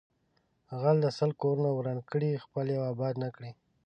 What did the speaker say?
غل د سل کورونه وران کړي خپل یو آباد نکړي